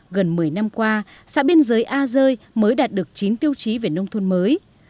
gần một mươi năm qua xã biên giới a rơi mới đạt được chín tiêu chí về nông thôn mới